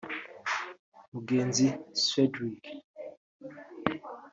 Mugenzi Cedrick